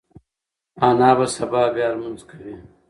انا به سبا بیا لمونځ کوي.